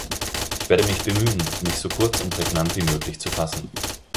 Ich werde mich bemühen, mich so kurz und prägnant wie möglich zu fassen.